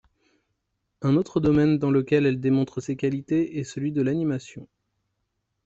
Un autre domaine dans lequel elle démontre ses qualités est celui de l'animation.